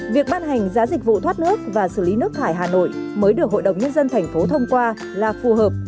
việc ban hành giá dịch vụ thoát nước và xử lý nước thải hà nội mới được hội đồng nhân dân thành phố thông qua là phù hợp